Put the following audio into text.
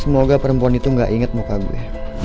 semoga perempuan itu gak inget muka gue